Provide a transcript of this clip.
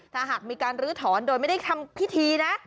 ถ้าหากมีการลื้อถอนโดยไม่ได้ทำพิธีนะ